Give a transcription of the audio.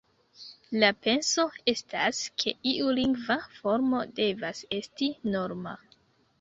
La penso estas, ke iu lingva formo devas esti norma.